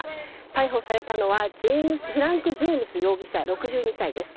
逮捕されたのはフランク・ジェームズ容疑者６２歳です。